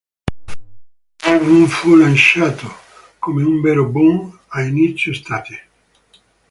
L'album fu lanciato, come un vero boom, a inizio estate.